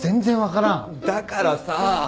だからさぁ。